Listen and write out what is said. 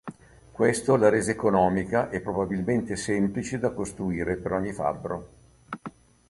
Questo la rese economica e probabilmente semplice da costruire per ogni fabbro.